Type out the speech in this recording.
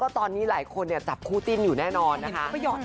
ตอนนี้หลายคนจับคู่จิ้นอยู่แน่นอนนะคะ